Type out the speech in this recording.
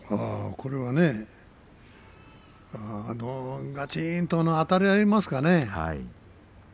これはねがちんとあたり合いますかね。